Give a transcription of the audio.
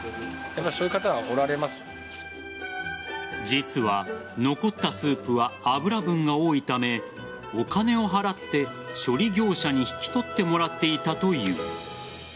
実は残ったスープは脂分が多いためお金を払って処理業者に引き取ってもらっていたという。